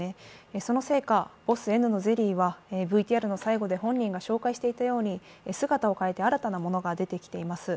そのせいか、ボスＮのゼリーはＶＴＲの最後に本人が紹介していたように、姿を変えて新たなものが出てきています。